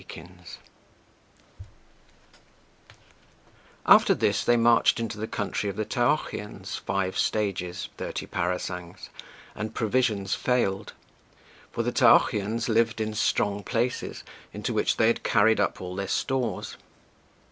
VII After this they marched into the country of the Taochians five 1 stages thirty parasangs and provisions failed; for the Taochians lived in strong places, into which they had carried up all their stores.